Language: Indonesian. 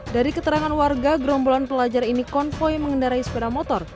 dari keterangan warga gerombolan pelajar ini konvoy mengendarai sepeda motor